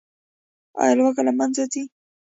آیا لوږه له منځه ځي؟